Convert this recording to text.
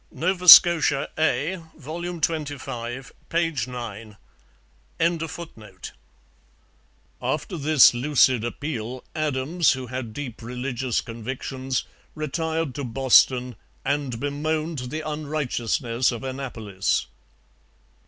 Nova Scotia A, vol. xxv, p. 9.] After this lucid appeal, Adams, who had deep religious convictions, retired to Boston and bemoaned the unrighteousness of Annapolis.